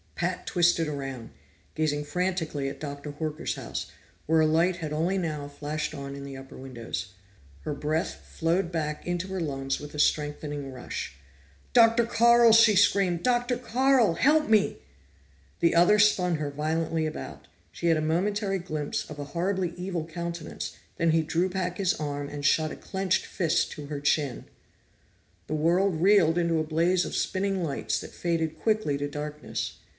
Pat twisted around, gazing frantically at Doctor Horker's house, where a light had only now flashed on in the upper windows. Her breath flowed back into her lungs with a strengthening rush. "Dr. Carl!" she screamed. "Dr. Carl! Help me!" The other spun her violently about. She had a momentary glimpse of a horribly evil countenance, then he drew back his arm and shot a clenched fist to her chin. The world reeled into a blaze of spinning lights that faded quickly to darkness.